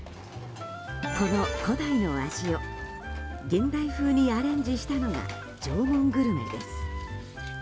この古代の味を現代風にアレンジしたのが縄文グルメです。